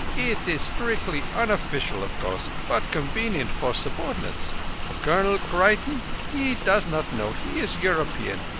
It is strictly unoffeecial of course, but convenient for subordinates. Colonel Creighton he does not know. He is European.